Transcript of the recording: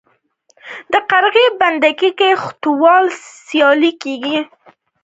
د قرغې بند کې د کښتیو سیالي کیږي.